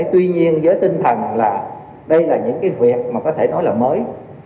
tuy nhiên với tinh thần là đây là những cái việc mà có thể nói là mới